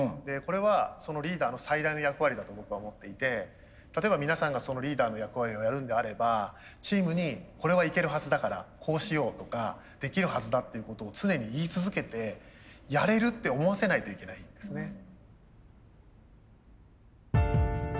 これはリーダーの最大の役割だと僕は思っていて例えば皆さんがリーダーの役割をやるんであればチームに「これはいけるはずだからこうしよう」とかできるはずだっていうことを常に言い続けてやれるって思わせないといけないんですね。